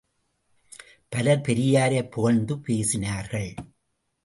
பலர் பெரியாரைப் புகழ்ந்து பேசினார்கள்.